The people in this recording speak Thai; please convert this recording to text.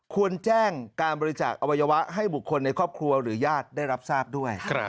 ควรแจ้งการบริจาคอวัยวะให้บุคคลในครอบครัวหรือญาติได้รับทราบด้วย